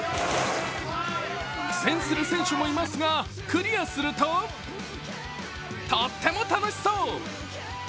苦戦する選手もいますがクリアすると、とっても楽しそう。